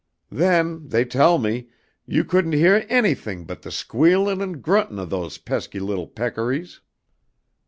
Then, they tell me, you couldn't heah anything but the squealin' and gruntin' of those pesky little peccaries.